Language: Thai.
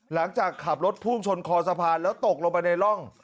หลังจากขับรถพุ่งชนคอสะพานแล้วตกลงไปในร่อง